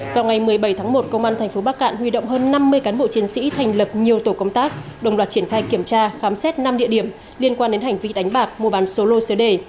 vào ngày một mươi bảy tháng một công an tp bắc cạn huy động hơn năm mươi cán bộ chiến sĩ thành lập nhiều tổ công tác đồng loạt triển khai kiểm tra khám xét năm địa điểm liên quan đến hành vi đánh bạc mua bán số lô số đề